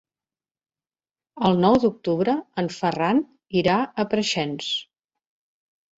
El nou d'octubre en Ferran irà a Preixens.